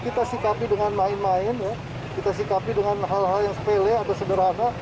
kita sikapi dengan main main kita sikapi dengan hal hal yang sepele atau sederhana